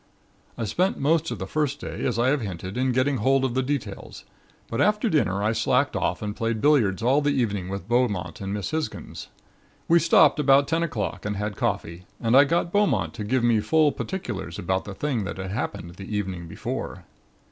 "I spent most of the first day, as I have hinted, in getting hold of details; but after dinner I slacked off and played billiards all the evening with Beaumont and Miss Hisgins. We stopped about ten o'clock and had coffee and I got Beaumont to give me full particulars about the thing that had happened the evening before.